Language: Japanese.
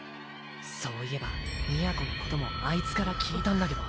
そういえば美弥子のこともあいつから聞いたんだけど。